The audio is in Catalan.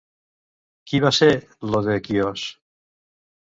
Qui va ser Ió de Quios?